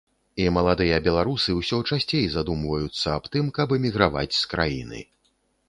І маладыя беларусы ўсё часцей задумваюцца аб тым, каб эміграваць з краіны.